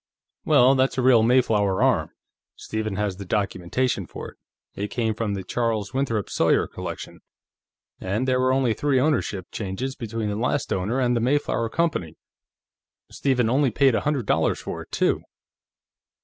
"Well, that's a real Mayflower arm. Stephen has the documentation for it. It came from the Charles Winthrop Sawyer collection, and there were only three ownership changes between the last owner and the Mayflower Company. Stephen only paid a hundred dollars for it, too."